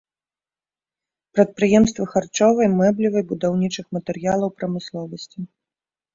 Прадпрыемствы харчовай, мэблевай, будаўнічых матэрыялаў прамысловасці.